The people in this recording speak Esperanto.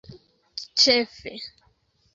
ĉefe